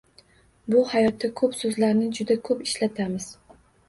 Biz hayotda bu so`zlarni juda ko`p ishlatamiz